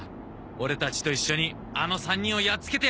オレたちと一緒にあの３人をやっつけてやろうぜ！